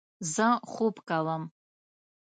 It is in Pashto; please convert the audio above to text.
زه خوب کوم